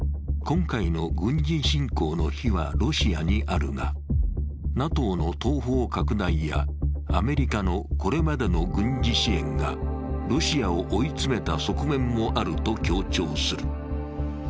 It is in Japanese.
今回の軍事侵攻の非はロシアにあるがＮＡＴＯの東方拡大や、アメリカのこれまでの軍事支援がロシアを追い詰めた側面もあると強調する。